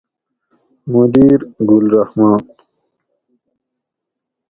مدیر: گل رحمان